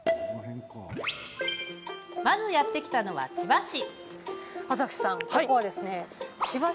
まず、やって来たのは千葉市。